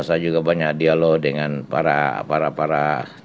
saya juga banyak dialog dengan para para